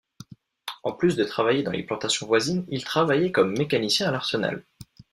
En plus de travailler dans les plantations voisines, ils travaillaient comme mécaniciens à l'arsenal.